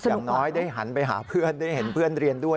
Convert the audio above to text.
อย่างน้อยได้หันไปหาเพื่อนได้เห็นเพื่อนเรียนด้วย